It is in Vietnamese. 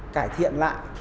cải thiện lại